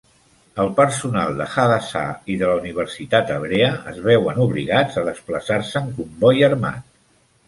El personal de Hadassah i de la Universitat Hebrea es veuen obligats a desplaçar-se en comboi armat.